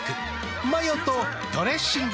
マヨとドレッシングで。